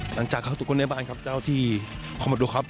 หลังจากเข้าทุกคนในบ้านครับเจ้าที่คอมมาดูครับ